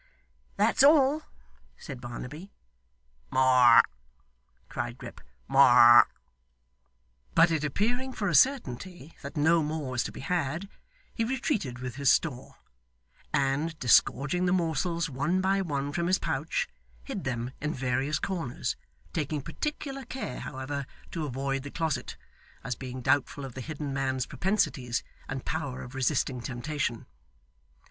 'That's all,' said Barnaby. 'More!' cried Grip. 'More!' But it appearing for a certainty that no more was to be had, he retreated with his store; and disgorging the morsels one by one from his pouch, hid them in various corners taking particular care, however, to avoid the closet, as being doubtful of the hidden man's propensities and power of resisting temptation.